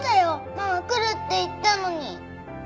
ママ来るって言ったのに。